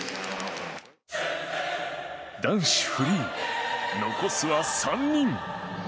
男子フリー、残すは３人。